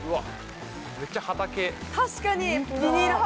確かに。